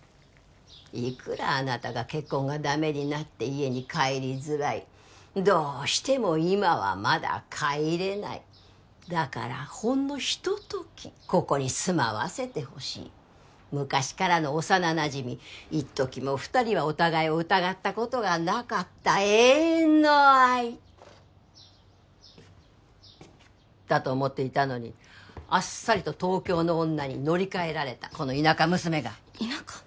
いくらあなたが結婚がダメになって家に帰りづらいどうしても今はまだ帰れないだからほんのひとときここに住まわせてほしい昔からの幼なじみいっときも二人はお互いを疑ったことがなかった永遠の愛だと思っていたのにあっさりと東京の女にのりかえられたこの田舎娘がっ田舎？